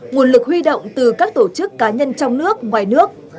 nguồn lực huy động từ các tổ chức cá nhân trong nước ngoài nước